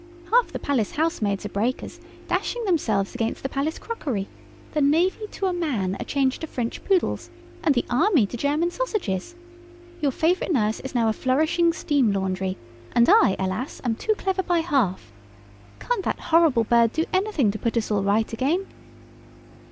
Half the Palace housemaids are breakers, dashing themselves against the Palace crockery: the Navy, to a man, are changed to French poodles, and the Army to German sausages. Your favourite nurse is now a flourishing steam laundry, and I, alas! am too clever by half. Can't that horrible bird do anything to put us all right again?"